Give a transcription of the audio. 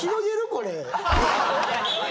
これ。